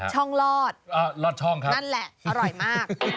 ช่องลอดลอดช่องครับนั่นแหละอร่อยมาก